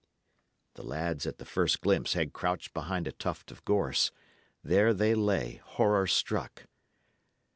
The lads, at the first glimpse, had crouched behind a tuft of gorse; there they lay, horror struck.